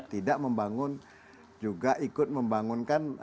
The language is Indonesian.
tidak membangun juga ikut membangunkan